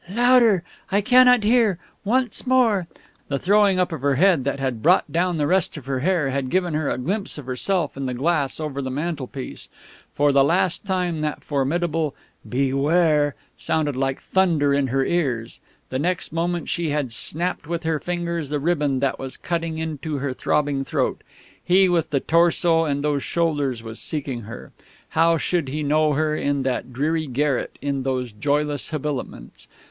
"Louder! I cannot hear! Once more " The throwing up of her head that had brought down the rest of her hair had given her a glimpse of herself in the glass over the mantelpiece. For the last time that formidable "Beware!" sounded like thunder in her ears; the next moment she had snapped with her fingers the ribbon that was cutting into her throbbing throat. He with the torso and those shoulders was seeking her ... how should he know her in that dreary garret, in those joyless habiliments?